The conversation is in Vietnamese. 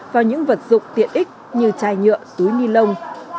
vào những vật dụng tiện ích như chai nhựa túi ni lông